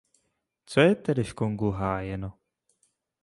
Co je tedy v Kongu hájeno?